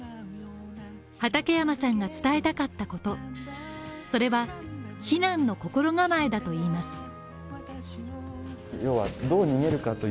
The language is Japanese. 畠山さんが伝えたかったこと、それは避難の心構えだと言います。